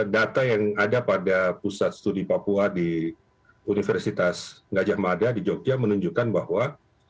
data yang ada pada pusat studi papua di universitas gajah mada di jogja menunjukkan bahwa